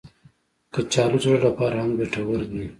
کچالو د زړه لپاره هم ګټور دي